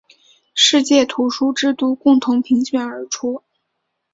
世界图书之都共同评选而出。